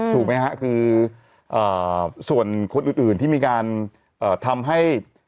ถูกไหมฮะคือส่วนคนอื่นที่มีการทำให้